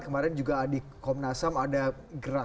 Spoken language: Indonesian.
kemarin juga adik komnasam ada gerakan